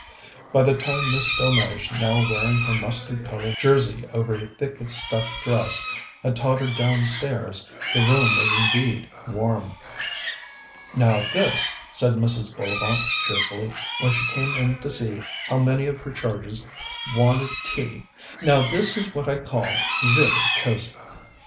By the time Miss Delmege, now wearing her mustard coloured jersey over a thick stuff dress, had tottered downstairs, the room was indeed warm. "Now, this," said Mrs. Bullivant cheerfully, when she came in to see how many of her charges wanted tea "now this is what I call really cosy."